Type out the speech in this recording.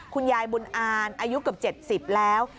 คุณยายบุญอานอายุเกือบ๗๐แล้ว